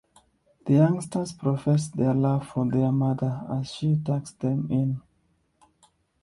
The youngsters profess their love for their mother as she tucks them in.